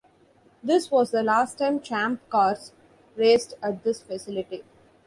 This was the last time Champ Cars raced at this facility.